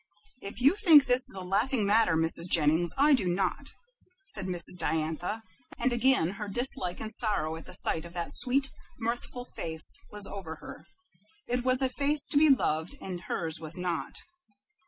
"If you think this is a laughing matter, Mrs. Jennings, I do not," said Mrs. Diantha, and again her dislike and sorrow at the sight of that sweet, mirthful face was over her. It was a face to be loved, and hers was not.